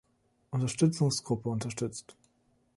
Unterstützungsgruppe unterstützt.